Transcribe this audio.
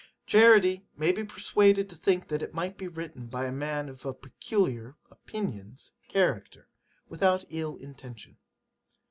'Charity may be persuaded to think that it might be written by a man of a peculiar [opinions] character, without ill intention.